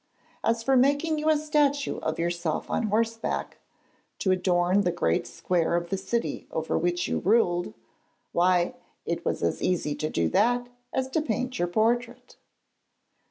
As for making you a statue of yourself on horseback, to adorn the great square of the city over which you ruled why, it was as easy to do that as to paint your portrait!